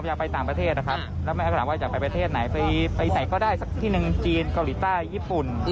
หรือประมาณประเทศแถบนั้น